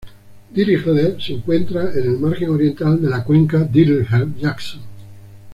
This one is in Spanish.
Dirichlet se encuentra en el margen oriental de la Cuenca Dirichlet-Jackson.